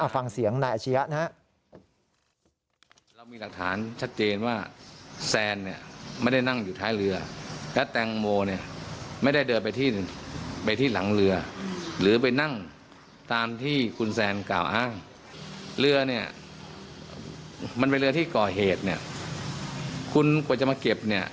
ผมไม่ยอมนะฟังเสียงในอาชียะนะ